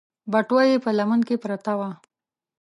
بټوه يې په لمن کې پرته وه.